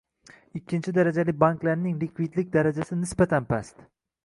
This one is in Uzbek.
Ikkinchi darajali banklarning likvidlik darajasi nisbatan past